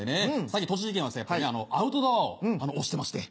最近栃木県はアウトドアを推してまして。